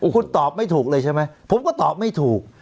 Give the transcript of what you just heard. คุณตอบไม่ถูกเลยใช่ไหมผมก็ตอบไม่ถูก